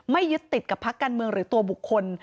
ไม่ยึดติดกับพักการเมืองหรือตัวบุคคล